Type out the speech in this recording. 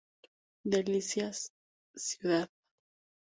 Delicias, Cd.